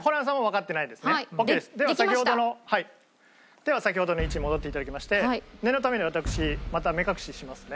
では先ほどの位置に戻っていただきまして念のために私また目隠ししますね。